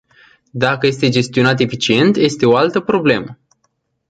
Dacă este gestionat eficient, este o altă problemă.